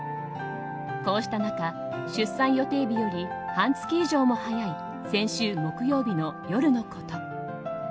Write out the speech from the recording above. こうした中、出産予定日より半月以上も早い先週木曜日の夜のこと。